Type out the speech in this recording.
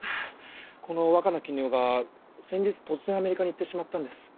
この若菜絹代が先日突然アメリカに行ってしまったんです。